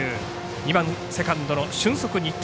２番セカンドの俊足、新田。